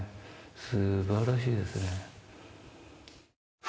すばらしいですね。